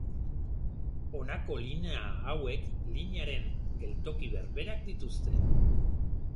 Honako linea hauek linearen geltoki berberak dituzte.